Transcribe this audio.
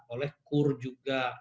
oleh kur juga